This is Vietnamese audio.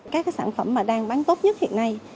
các sản phẩm đang bán tốt nhất hiện nay